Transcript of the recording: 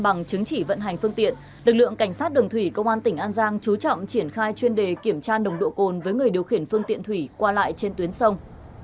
bằng chứng chỉ vận hành phương tiện lực lượng cảnh sát đường thủy công an tỉnh an giang chú trọng triển khai chuyên đề kiểm tra nồng độ cồn với người điều khiển phương tiện thủy qua lại trên tuyến sông